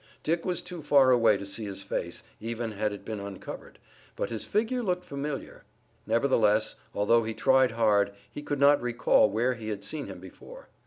Dick was too far away to see his face, even had it been uncovered, but his figure looked familiar. Nevertheless, although he tried hard, he could not recall where he had seen him before.